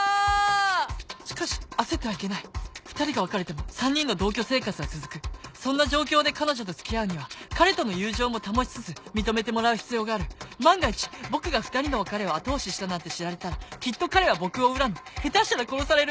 しかし焦ってはいけない２人が別れても３人の同居生活は続くそんな状況で彼女と付き合うには彼との友情も保ちつつ認めてもらう必要がある万が一僕が２人の別れを後押ししたなんて知られたらきっと彼は僕を恨む下手したら殺される！